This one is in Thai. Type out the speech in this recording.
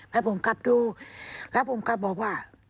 ให้ผมกลับดูแล้วผมกลับบอกว่า